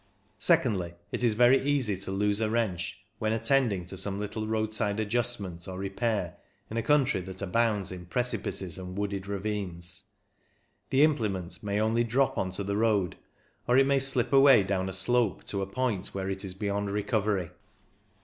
Secondly, it is very easy to lose a wrench when attending to some little roadside adjustment or repair in a country that abounds in precipices and wooded ravines. The implement may only drop on to the road, or it may slip away down a slope to a point where it is beyond recovery.